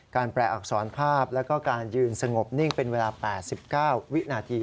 แปลอักษรภาพแล้วก็การยืนสงบนิ่งเป็นเวลา๘๙วินาที